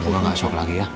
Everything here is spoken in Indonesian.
semoga gak shock lagi ya